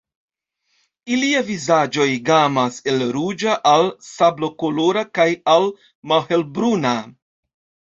Iliaj vizaĝoj gamas el ruĝa al sablokolora kaj al malhelbruna.